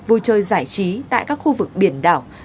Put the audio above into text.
vui chơi giải trí tại các khu vực biển đảo